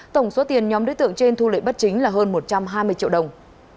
tổng số tiền nhóm đối tượng trên thu lệ bắt chính là hơn một trăm hai mươi triệu đồng